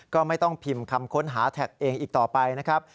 ก็ไม่ต้องพิมพ์คำค้นหาแท็กเองอีกต่อไปนะครับ